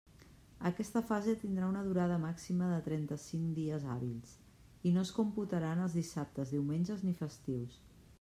Aquesta fase tindrà una durada màxima de trenta-cinc dies hàbils, i no es computaran els dissabtes, diumenges ni festius.